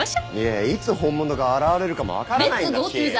いやいつ本物が現れるかも分からないんだし。